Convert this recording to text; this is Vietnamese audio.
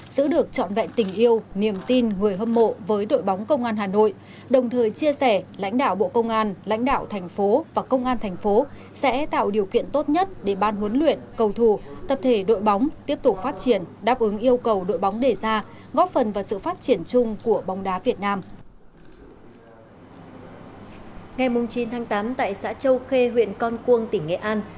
giữ được trọn vẹn tình yêu niềm tin người hâm mộ với đội bóng công an hà nội đồng thời chia sẻ lãnh đạo bộ công an lãnh đạo thành phố và công an thành phố sẽ tạo điều kiện tốt nhất để ban huấn luyện cầu thủ tập thể đội bóng tiếp tục phát triển đáp ứng yêu cầu đội bóng đề ra góp phần vào sự phát triển chung của bóng đá việt nam